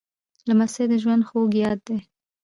لمسی د ژوند خوږ یاد دی.